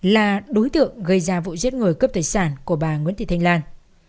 là đối tượng gây ra vụ giết người cướp tài sản của bà nguyễn thị thanh lan